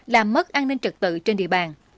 làm mất an ninh trật tự trên địa bàn